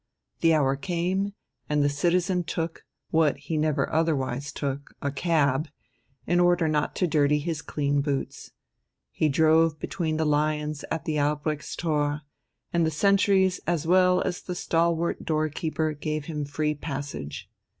The hour came, and the citizen took, what he never otherwise took, a cab, in order not to dirty his clean boots. He drove between the lions at the Albrechtstor, and the sentries as well as the stalwart doorkeeper gave him free passage.